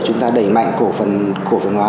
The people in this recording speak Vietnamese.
chúng ta đẩy mạnh cổ phần hóa